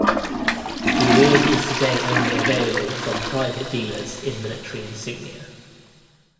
The award is today only available from private dealers in military insignia.